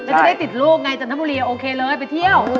แล้วจะได้ติดลูกไงจันทบุรีโอเคเลยไปเที่ยว